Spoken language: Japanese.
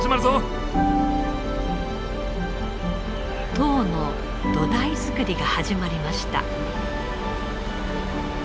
塔の土台作りが始まりました。